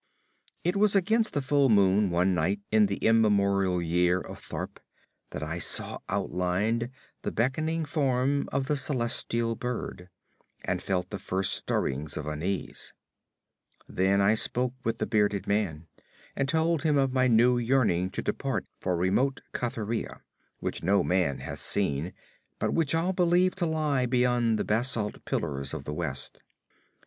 It was against the full moon one night in the immemorial year of Tharp that I saw outlined the beckoning form of the celestial bird, and felt the first stirrings of unrest. Then I spoke with the bearded man, and told him of my new yearnings to depart for remote Cathuria, which no man hath seen, but which all believe to lie beyond the basalt pillars of the West.